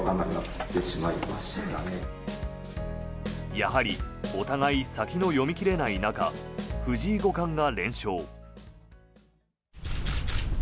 やはりお互い先の読み切れない中藤井五冠が連勝。